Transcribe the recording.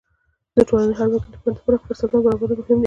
د ټولنې د هر وګړي لپاره د پراخو فرصتونو برابرول مهم دي.